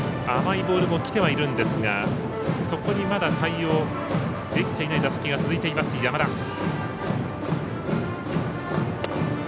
甘いボールもきてはいるんですがそこにまだ対応できていない打席が続いています、山田。